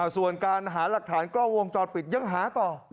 ส่วนการหาหลักฐานกล้องวงจรปิดยังหาต่อ